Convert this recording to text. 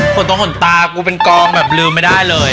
ตรงขนตากูเป็นกองแบบลืมไม่ได้เลย